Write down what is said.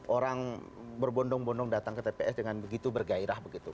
orang berbondong bondong datang ke tps dengan begitu bergairah begitu